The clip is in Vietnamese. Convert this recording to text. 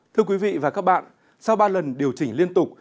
thưa quý vị và các bạn sau ba lần điều chỉnh liên tục